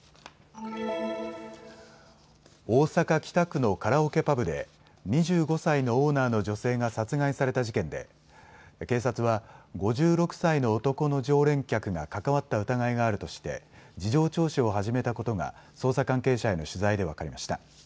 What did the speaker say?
大阪北区のカラオケパブで２５歳のオーナーの女性が殺害された事件で警察は５６歳の男の常連客が関わった疑いがあるとして事情聴取を始めたことが捜査関係者への取材で分かりました。